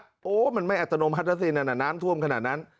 โว้วมันไม่อัตโนมัติน่ะสิว่าน้ำท่วมขนาดนั้น